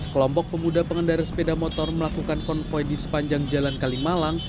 sekelompok pemuda pengendara sepeda motor melakukan konvoy di sepanjang jalan kalimalang